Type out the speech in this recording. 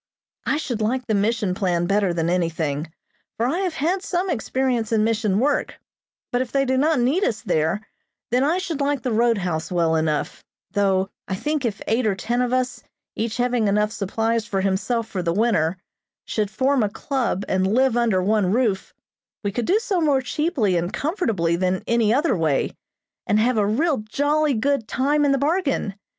"I should like the mission plan better than anything, for I have had some experience in mission work; but if they do not need us there, then I should like the roadhouse well enough, though I think if eight or ten of us, each having enough supplies for himself for the winter, should form a club and live under one roof, we could do so more cheaply and comfortably than any other way, and have a real jolly, good time in the bargain.